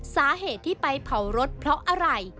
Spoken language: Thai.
สาเหตุที่ไปเผารถเพราะอะไร